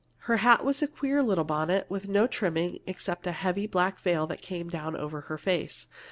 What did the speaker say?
Her hat was a queer little bonnet, with no trimming except a heavy black veil that came down over her face.